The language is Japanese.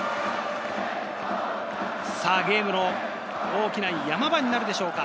さぁ、ゲームの大きな山場になるでしょうか？